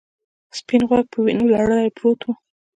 سپین غوږ په وینو لړلی پروت و.